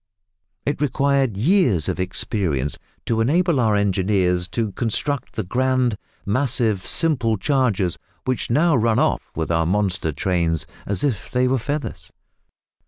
It required years of experience to enable our engineers to construct the grand, massive, simple chargers which now run off with our monster trains as if they were feathers.